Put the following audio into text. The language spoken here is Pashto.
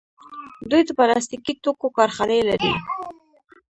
دوی د پلاستیکي توکو کارخانې لري.